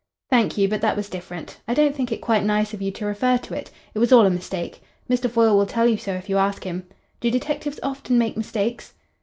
"Thank you. But that was different. I don't think it quite nice of you to refer to it. It was all a mistake. Mr. Foyle will tell you so, if you ask him. Do detectives often make mistakes?"